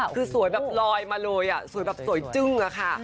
คือสวยแบบลอยมาเลยสวยแบบสวยจึ้งอะค่ะ